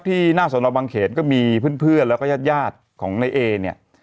ที่หน้าสนบังเขนก็มีเพื่อนแล้วก็ญาติยาดของในเอเนี่ย